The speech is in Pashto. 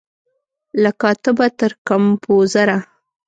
له کاتبه تر کمپوزره